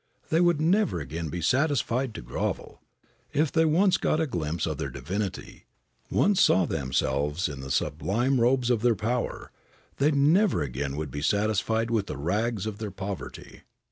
They would never again be satisfied to grovel. If they once got a glimpse of their divinity, once saw themselves in the sublime robes of their power, they never again would be satisfied with the rags of their poverty.